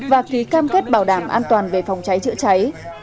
và ký cam kết bảo đảm an toàn về phòng cháy chữa cháy